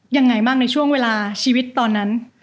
ยังไงบ้างในช่วงเวลาชีวิตตอนนั้น